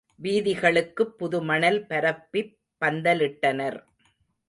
வீதிகளுக்குப் புதுமணல் பரப்பிப் பந்தலிட்டனர்.